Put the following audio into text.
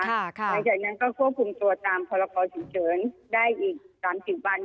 หลังจากนั้นก็ควบคุมตัวตามพศได้อีก๓๐วัน